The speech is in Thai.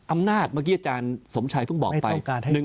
อำนาจเมื่อกี้อาจารย์สมชัยเพิ่งบอกไป